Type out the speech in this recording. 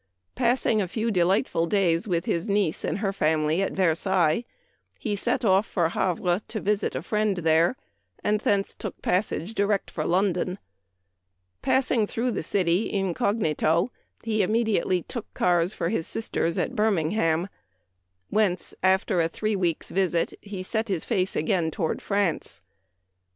Passing a few delightful days with his niece and her family at Versailles, he set off for Havre to visit a friend there, and thence took passage direct to London. Passing through the city incognito, he immediately took cars for his sister's at Birmingham, whence, after a three weeks' visit, he set his face again toward France.